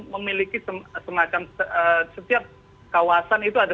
memiliki semacam setiap kawasan itu ada